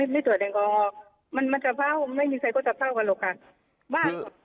ไม่ตรวจแอลกอฮอล์มันจะเผาไม่มีใครก็จะเฝ้ากันหรอกค่ะ